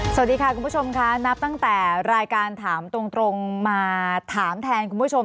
สวัสดีค่ะคุณผู้ชมค่ะนับตั้งแต่รายการถามตรงมาถามแทนคุณผู้ชม